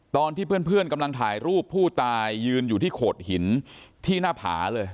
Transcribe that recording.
ตอนที่เพื่อนกำลังถ่ายรูปผู้ตายยืนอยู่ที่โขดหินที่หน้าผาเลย